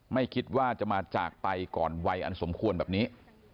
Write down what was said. ไม่คิดว่าจะมาจากไปก่อนวัยอันสมควรแบบนี้